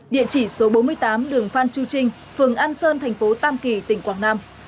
địa chỉ số bốn mươi tám đường phan chu trinh phường an sơn thành phố tam kỳ tỉnh quảng nam